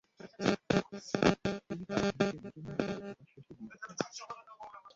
তিনি তার বাহিনীকে মুসলমানদের উপর তুফান সৃষ্টির নির্দেশ দেন।